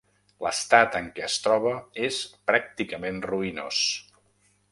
L'estat en què es troba és pràcticament ruïnós.